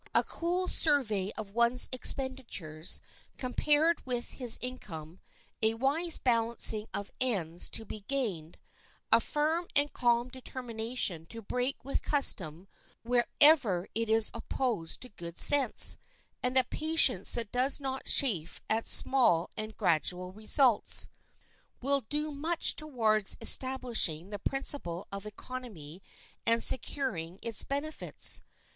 A cool survey of one's expenditures, compared with his income; a wise balancing of ends to be gained; a firm and calm determination to break with custom wherever it is opposed to good sense, and a patience that does not chafe at small and gradual results, will do much towards establishing the principle of economy and securing its benefits.